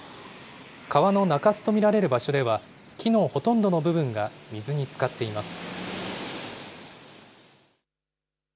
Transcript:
川の中州と見られる場所では、木のほとんどの部分が水につかっています。